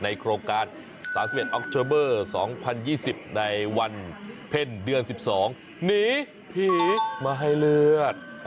โครงการ๓๑ออกเทอร์เบอร์๒๐๒๐ในวันเพ่นเดือน๑๒หนีผีมาให้เลือด